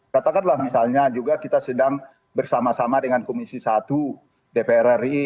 katakanlah misalnya juga kita sedang bersama sama dengan komisi satu dpr ri